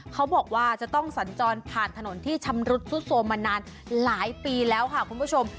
เขาบอกว่าจะต้องสัญจรผ่านถนนที่ชำรุดซุดโทรมมานานหลายปีแล้วค่ะคุณผู้ชม